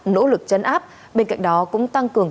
nỗ lực chấn áp bên cạnh đó cũng tăng cường